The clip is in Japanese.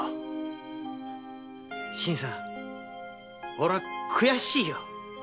俺は悔しいよ。